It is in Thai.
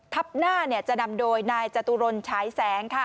ทับหน้าจะนำโดยนายจตุรนัยฉายแสงค่ะ